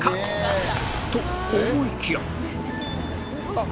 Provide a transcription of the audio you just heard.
あっ！